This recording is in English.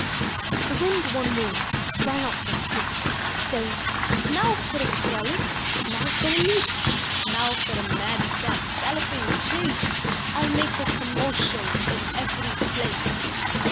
The Wind one morning sprang up from sleep. Saying, " Now for a frolic! now for a leap! Now for a mad cap galloping chase! I '11 make a commotion in every [dace!